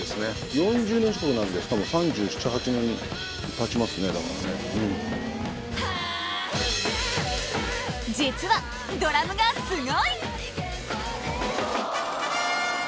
４０年近くなるんですかもう３７３８年たちますねだからね実はドラムがすごい！